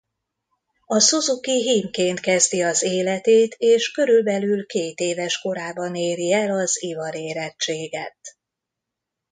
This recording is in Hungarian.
A szuzuki hímként kezdi az életét és körülbelül kétéves korában éri el az ivarérettséget.